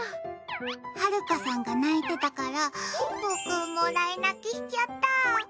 はるかさんが泣いてたから、僕ももらい泣きしちゃった。